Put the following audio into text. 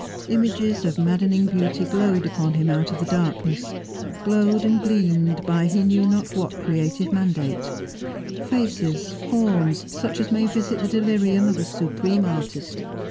Images of maddening beauty glowed upon him out of the darkness, glowed and gleamed by he knew not what creative mandate; faces, forms, such as may visit the delirium of a supreme artist.